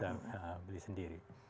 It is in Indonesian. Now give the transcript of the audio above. bisa beli sendiri